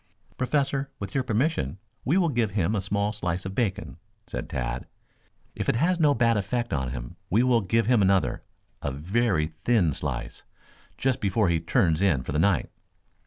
"Professor, with your permission, we will give him a small slice of bacon," said Tad. "If it has no bad effect on him, we will give him another, a very thin slice, just before he turns in for the night."